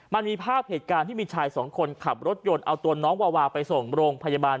มันมีภาพเหตุการณ์ที่มีชายสองคนขับรถยนต์เอาตัวน้องวาวาไปส่งโรงพยาบาล